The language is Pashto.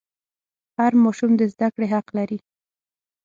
هر ماشوم د زده کړې حق لري.